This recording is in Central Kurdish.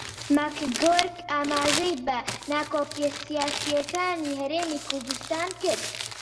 ماکگۆرک ئاماژەی بە ناکۆکییە سیاسییەکانی هەرێمی کوردستان کرد